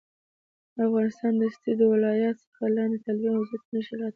افغانستان دستي د ولایت څخه لاندې تعلیمي حوزې ته نه شي تللی